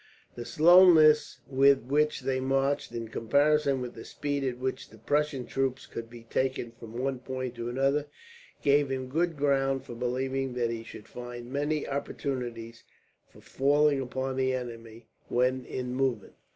The slowness with which they marched, in comparison with the speed at which the Prussian troops could be taken from one point to another, gave him good ground for believing that he should find many opportunities for falling upon the enemy, when in movement.